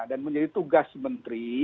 dan menjadi tugas menteri